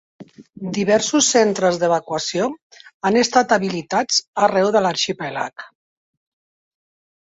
Diversos centres d’evacuació han estat habilitats arreu de l’arxipèlag.